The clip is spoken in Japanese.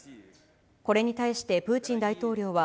これに対してプーチン大統領は、